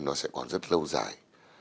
nó sẽ còn rất lâu dài